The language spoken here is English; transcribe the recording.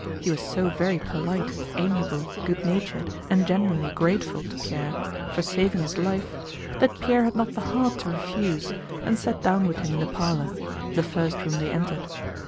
He was so very polite, amiable, good natured, and genuinely grateful to Pierre for saving his life that Pierre had not the heart to refuse, and sat down with him in the parlor—the first room they entered.